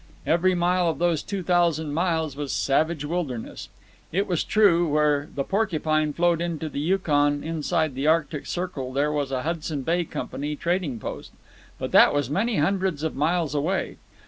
Every mile of those two thousand miles was savage wilderness. It was true, where the Porcupine flowed into the Yukon inside the Arctic Circle there was a Hudson Bay Company trading post. But that was many hundreds of miles away.